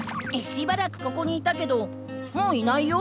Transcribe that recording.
しばらくここにいたけどもういないよ。